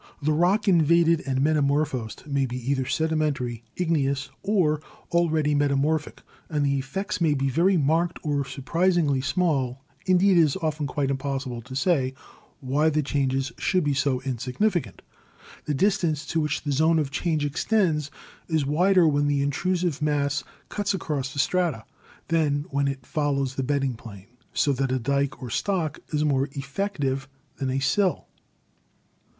The rock invaded and metamorphosed may be either sedimentary, igneous, or al ready metamorphic, and the effects may be very marked or surprisingly small; indeed, it is often quite impossible to say why the changes should be so insignificant. The distance to which the zone of change extends is wider when the intrusive mass cuts across the strata than when it follows the bedding plane, so that a dyke or stock is more effective than a sill.